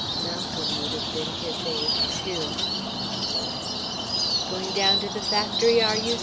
Malcolm would have been his age, too. "Going down to the factory, are you?"